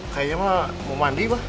kayaknya mah mau mandi mah